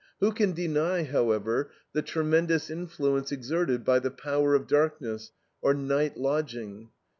Who can deny, however, the tremendous influence exerted by THE POWER OF DARKNESS or NIGHT LODGING.